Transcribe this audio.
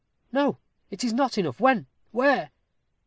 "No, it is not enough. When? Where?"